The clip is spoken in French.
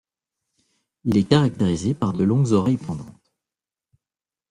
Il est caractérisé par de longues oreilles pendantes.